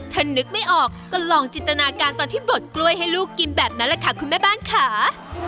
ถ้านึกไม่ออกก็ลองจินตนาการตอนที่บดกล้วยให้ลูกกินแบบนั้นแหละค่ะคุณแม่บ้านค่ะ